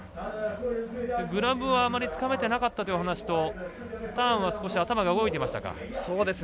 グラブは、あまりつかめてなかったという話とターンは少し頭が動いていましたか。